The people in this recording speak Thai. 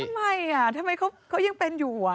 ทำไมทำไมเขายังเป็นอยู่